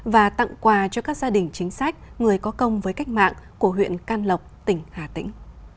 và tặng quà cho các gia đình chính sách người có công với cách mạng của huyện can lộc tỉnh hà tĩnh